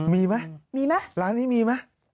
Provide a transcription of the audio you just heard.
มีมั้ยร้านนี้มีมั้ย